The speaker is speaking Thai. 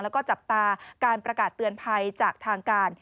แล้วก็จับตาการประกาศเตือนภัยจากทางการ